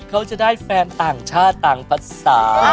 เขาจะได้แฟนต่างชาติต่างภาษา